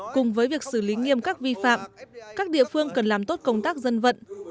cùng với việc xử lý nghiêm các vi phạm các địa phương cần làm tốt công tác dân vận